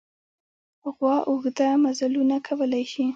غوا اوږده مزلونه کولی شي.